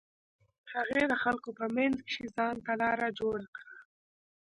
هغې د خلکو په منځ کښې ځان ته لاره جوړه کړه.